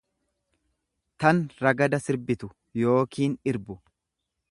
tan ragada sirbitu yookiin irbu.